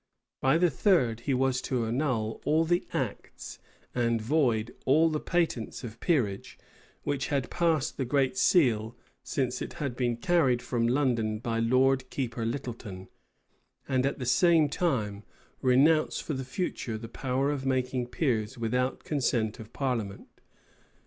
By the third, he was to annul all the acts, and void all the patents of peerage, which had passed the great seal since it had been carried from London by Lord Keeper Littleton; and at the same time, renounce for the future the power of making peers without consent of parliament.